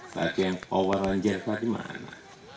tapi yang poweran jatuh di mana